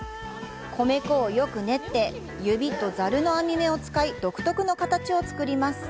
米粉をよく練って指とザルの網目を使い、独特の形を作ります。